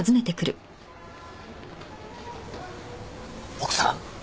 奥さん？